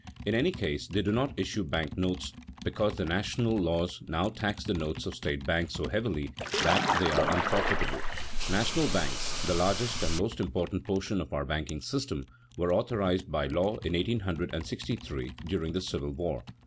In any case they do not issue bank notes, because the national laws now tax the notes of state banks so heavily that they are unprofitable. National banks, the largest and most important portion of our banking system, were authorized by law in 1863, during the Civil War.